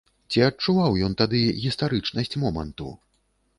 Ці адчуваў ён тады гістарычнасць моманту?